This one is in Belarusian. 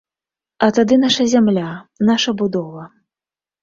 А тады наша зямля, наша будова!